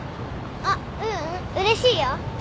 あっううんうれしいよ。